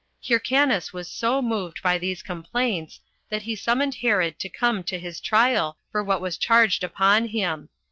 Hyrcanus was so moved by these complaints, that he summoned Herod to come to his trial for what was charged upon him.